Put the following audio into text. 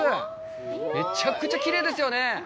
めちゃくちゃきれいですよね。